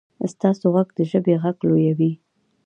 ستاسو غږ د ژبې غږ لویوي.